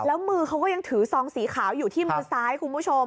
แล้วมือเขาก็ยังถือซองสีขาวอยู่ที่มือซ้ายคุณผู้ชม